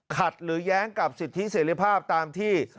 หรือแย้งกับสิทธิเสรีภาพตามที่